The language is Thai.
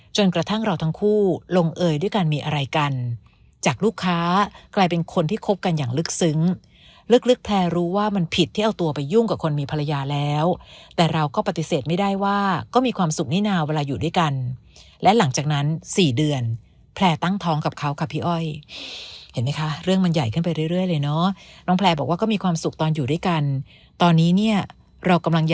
จนกระทั่งเราทั้งคู่ลงเอ่ยด้วยกันมีอะไรกันจากลูกค้ากลายเป็นคนที่คบกันอย่างลึกซึ้งลึกแพร่รู้ว่ามันผิดที่เอาตัวไปยุ่งกับคนมีภรรยาแล้วแต่เราก็ปฏิเสธไม่ได้ว่าก็มีความสุขนี่นาวเวลาอยู่ด้วยกันและหลังจากนั้นสี่เดือนแพร่ตั้งท้องกับเขาค่ะพี่อ้อยเห็นมั้ยคะเรื่องมันใหญ่ขึ้นไปเรื่อยเลยเนาะ